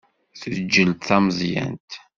Teǧǧel d tameẓyant.